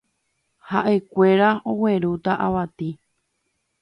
Ha'ekuéra oguerúta avati